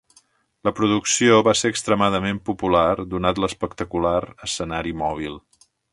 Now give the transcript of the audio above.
La producció va ser extremadament popular, donat l'espectacular escenari mòbil.